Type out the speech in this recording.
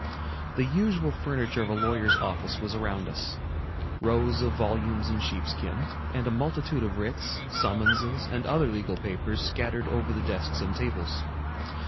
The usual furniture of a lawyer's office was around us,—rows of volumes in sheepskin, and a multitude of writs, summonses, and other legal papers, scattered over the desks and tables.